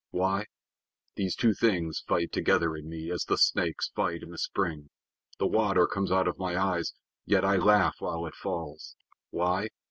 Why? These two things fight together in me as the snakes fight in the spring. The water comes out of my eyes; yet I laugh while it falls. Why?